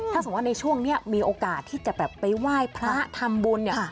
ถ้าสมมุติว่าในช่วงนี้มีโอกาสที่จะไปว่ายพระทำบุญ